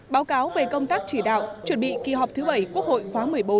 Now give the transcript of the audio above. báo cáo về công tác chỉ đạo chuẩn bị kỳ họp thứ bảy quốc hội khóa một mươi bốn